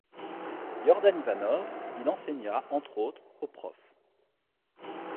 Jordan Ivanov, il enseigna, entre autres, au Prof.